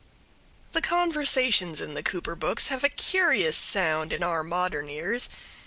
The conversations in the Cooper books have a curious sound in our modern ears.